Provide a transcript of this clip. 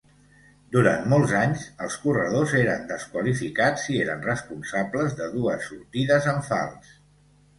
Durant molts anys, els corredors eren desqualificats si eren responsables de dues sortides en fals.